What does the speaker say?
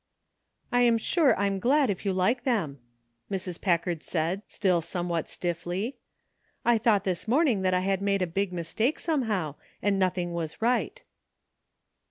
''I'm sure I'm glad if you like them," Mrs. Packard said, still somewhat stiffly. '' I thought this morning that I had made a big mistake, somehow, and nothing was right."